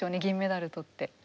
銀メダル取って。